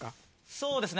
そうですね。